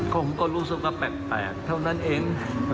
ผมก็รู้สึกว่าแปลกเท่านั้นเอง